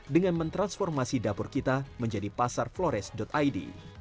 dengan mentransformasi dapur kita menjadi pasarflores id